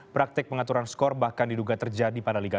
praktek pengaturan skor bahkan diduga terjadi pada liga satu